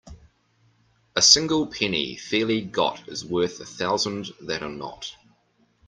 A single penny fairly got is worth a thousand that are not.